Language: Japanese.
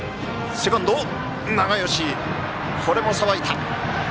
セカンド、永吉これもさばいた！